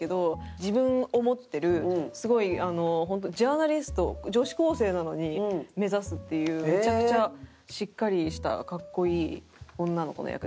自分を持ってるすごい本当ジャーナリストを女子高生なのに目指すっていうめちゃくちゃしっかりした格好いい女の子の役ですね。